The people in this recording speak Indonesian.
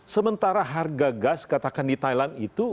sementara harga gas katakan di thailand itu